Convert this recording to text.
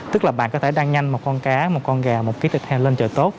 tức là bạn có thể đăng nhanh một con cá một con gà một ký thịt hàng lên chợ tốt